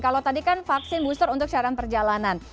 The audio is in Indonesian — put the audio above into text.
kalau tadi kan vaksin booster untuk syarat perjalanan